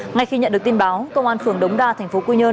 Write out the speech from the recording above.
ngay khi nhận được tin báo công an phường đống đa tp quy nhơn